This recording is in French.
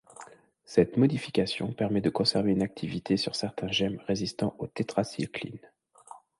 Cette modification permet de conserver une activité sur certains germes résistants aux tétracyclines.